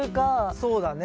そうだね。